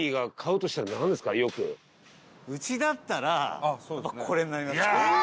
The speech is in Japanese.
東山：うちだったらこれになります。